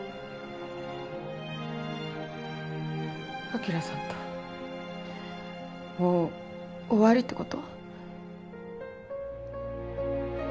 晶さんとはもう終わりって事？